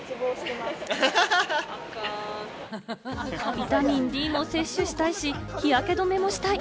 ビタミンＤも摂取したいし、日焼け止めもしたい。